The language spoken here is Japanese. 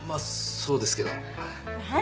そうですけどはい。